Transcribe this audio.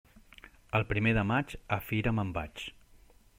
El primer de maig, a fira me'n vaig.